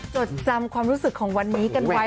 จดจำความรู้สึกของวันนี้กันไว้